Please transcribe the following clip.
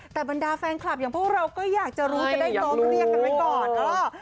แต่บรรดาแฟนคลับอย่างพวกเราก็อยากจะรู้จะได้ซ้อมเรียกกันไว้ก่อนเออ